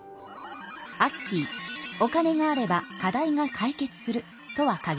アッキーお金があれば課題が解決するとは限りません。